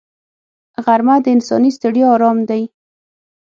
غرمه د انساني ستړیا آرام دی